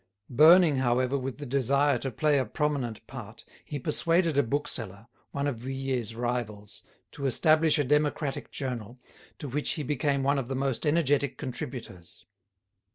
Burning, however, with the desire to play a prominent part, he persuaded a bookseller, one of Vuillet's rivals, to establish a democratic journal, to which he became one of the most energetic contributors.